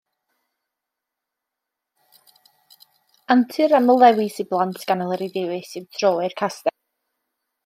Antur amlddewis i blant gan Eleri Davies yw Tro i'r Castell.